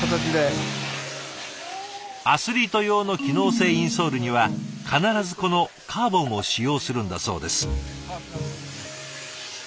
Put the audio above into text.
アスリート用の機能性インソールには必ずこのカーボンを使用するんだそうです。